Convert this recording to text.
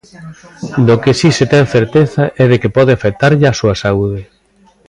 Do que si se ten certeza é de que pode afectarlle á súa saúde.